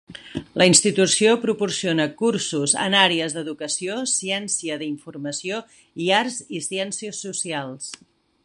La institució proporciona cursos en àrees d'educació, ciència d'informació, i arts i ciències socials.